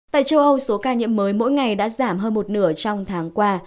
tại châu âu số ca nhiễm mới mỗi ngày đã giảm hơn một nửa trong tháng qua